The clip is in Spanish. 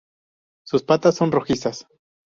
Sus patas son rojizas.